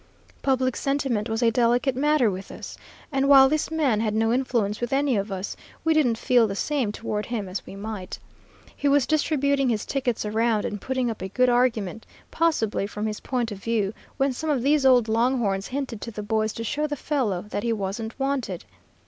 Public sentiment was a delicate matter with us, and while this man had no influence with any of us, we didn't feel the same toward him as we might. He was distributing his tickets around, and putting up a good argument, possibly, from his point of view, when some of these old long horns hinted to the boys to show the fellow that he wasn't wanted.